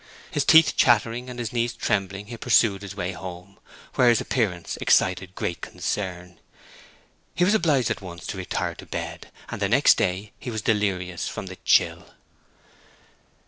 His teeth chattering and his knees trembling he pursued his way home, where his appearance excited great concern. He was obliged at once to retire to bed, and the next day he was delirious from the chill.